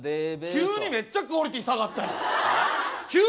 急にめっちゃクオリティー下がったやん。